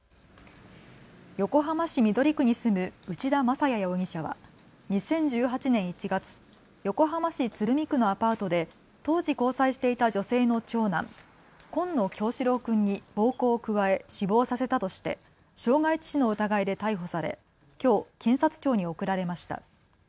横浜市緑区に住む内田正也容疑者は２０１８年１月、横浜市鶴見区のアパートで当時、交際していた女性の長男、紺野叶志郎君に暴行を加え死亡させたとして傷害致死の疑いで逮捕されきょう検察庁に送られました。